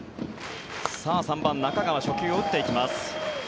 ３番、中川初球を打っていきます。